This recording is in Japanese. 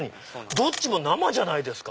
どっちも生じゃないですか！